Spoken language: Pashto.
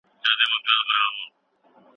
د انفجار سرعت د نور د چټکتیا برخه لري.